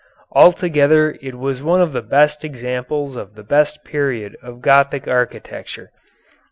Altogether it was one of the best examples of the best period of Gothic Architecture."